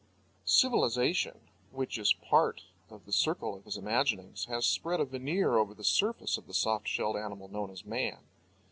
Civilization (which is part of the circle of his imaginings) has spread a veneer over the surface of the soft shelled animal known as man.